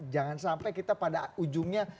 jangan sampai kita pada ujungnya